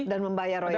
dan membayar royalti